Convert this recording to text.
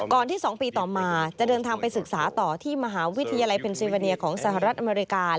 ที่๒ปีต่อมาจะเดินทางไปศึกษาต่อที่มหาวิทยาลัยเพนซีวาเนียของสหรัฐอเมริกา